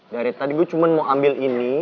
dari tadi gue cuma mau ambil ini